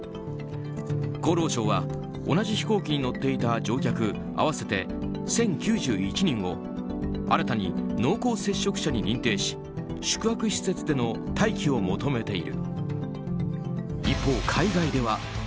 厚労省は同じ飛行機に乗っていた乗客合わせて１０９１人を新たに濃厚接触者に認定し宿泊施設での待機を求めている。